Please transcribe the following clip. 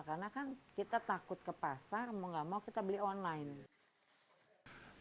karena kan kita takut ke pasar mau tidak mau kita beli online